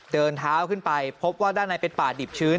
เดินเท้าขึ้นไปพบว่าด้านในเป็นป่าดิบชื้น